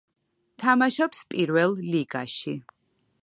თამაშობს პირველ ლიგაში.